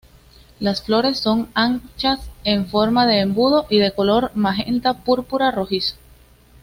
Las flores son anchas en forma de embudo y de color magenta púrpura rojizo.